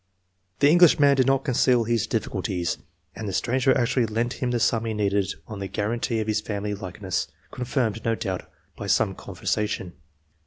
The English man did not conceal his difficulties, and the stranger actually lent him the sum he needed on the guarantee of his family likeness, con firmed, no doubt, by some conversation.